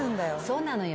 そうなのよ。